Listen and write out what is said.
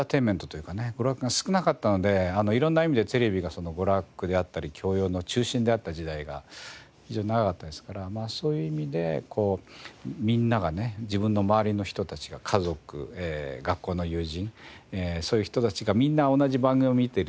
娯楽が少なかったので色んな意味でテレビが娯楽であったり教養の中心であった時代が非常に長かったですからまあそういう意味でみんながね自分の周りの人たちが家族学校の友人そういう人たちがみんな同じ番組を見てるっていうね